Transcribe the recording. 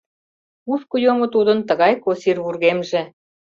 Кушко йомо тудын тыгай косир вургемже?